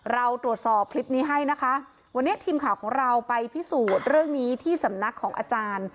เราตรวจสอบคลิปนี้ให้นะคะวันนี้ทีมข่าวของเราไปพิสูจน์เรื่องนี้ที่สำนักของอาจารย์